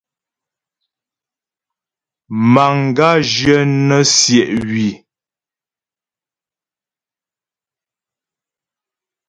Manga zhyə nə̀ siɛ̀ ywii.